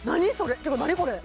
っていうか何これ？